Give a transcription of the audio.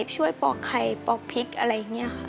ช่วยปอกไข่ปอกพริกอะไรอย่างนี้ค่ะ